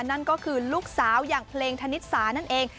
นั่นก็คือลูกสาวอย่างเพลงธนิสานั่นเอง